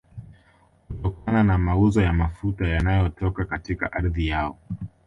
kutokana na mauzo ya mafuta yanayotoka katika ardhi yao